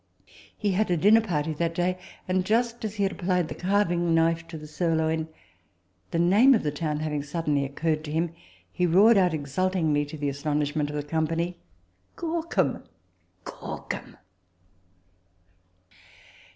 He had a dinner party that day ; and, just as he had applied the carving knife to the sirloin, the name of the town having suddenly occurred to him, he roared out exultingly, to the astonishment of the company, " Gorcum, Gorcum !